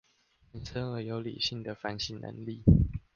人生而具有理性的反省能力